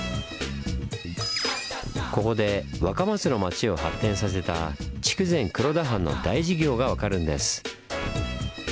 ここで若松の町を発展させた筑前黒田藩の大事業が分かるんです。